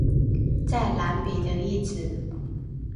在蓝彼得一词。